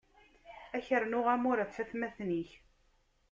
Ad k-rnuɣ amur ɣef watmaten-ik.